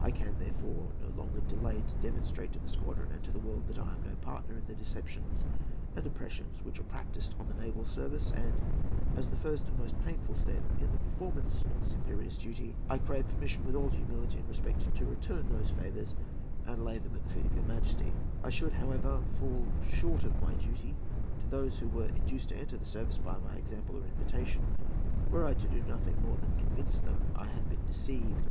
I can, therefore, no longer delay to demonstrate to the squadron and the world that I am no partner in the deceptions and oppressions which are practised on the naval service; and, as the first and most painful step in the performance of this imperious duty, I crave permission, with all humility and respect, to return those honours, and lay them at the feet of your Imperial Majesty. I should, however, fall short of my duty to those who were induced to enter the service by my example or invitation, were I to do nothing more than convince them that I had been deceived.